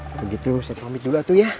begitu saya pamit dulu atu ya